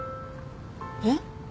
えっ？